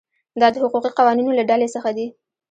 دا د حقوقي قوانینو له ډلې څخه دي.